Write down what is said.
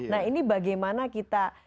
nah ini bagaimana kita